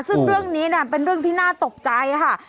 ซึ่งเรื่องนี้เป็นเรื่องที่น่าตกใจค่ะ